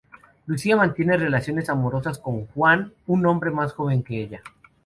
Lucía mantiene relaciones amorosas con Juan, un hombre más joven que ella.